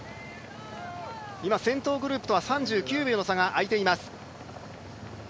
今、先頭グループとは３９秒の差があいています。